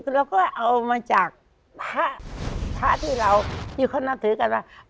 คือเป็นจากภาคีเราก็เอามาจากภาคที่เราอยู่ข้างหน้าถือกันนะ